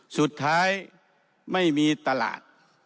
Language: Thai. สุดท้ายไม่มีตลาด